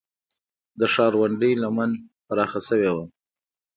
د ښارونډۍ لمن پراخه شوې وه